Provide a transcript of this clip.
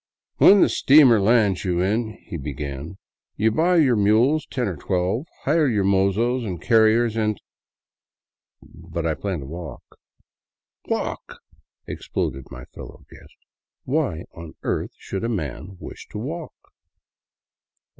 " When the steamer lands you in ," he began, " you buy your mules, ten or twelve, hire your mozos and carriers and ..."" But I plan to walk." " Walk !" exploded my fellow guest, " Why on earth should a man wish to walk?"